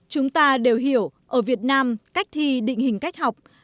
chúng ta đều hiểu ở việt nam cách thi định hình cách học